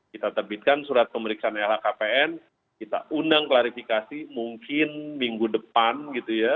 kita terbitkan surat pemeriksaan lhkpn kita undang klarifikasi mungkin minggu depan gitu ya